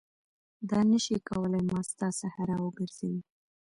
دا نه شي کولای ما ستا څخه راوګرځوي.